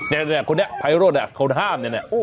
เนี่ยเนี่ยคนเนี่ยภัยรถเนี่ยเขาห้ามเนี่ยเนี่ย